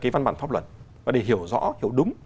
văn bản pháp luật và để hiểu rõ hiểu đúng